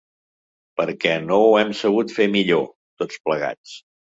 Perquè no ho hem sabut fer millor, tots plegats.